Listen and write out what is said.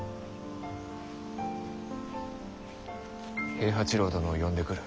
平八郎殿を呼んでくる。